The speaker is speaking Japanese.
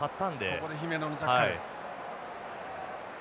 ここで姫野のジャッカル。